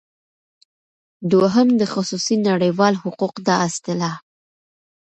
دوهم د خصوصی نړیوال حقوق دا اصطلاح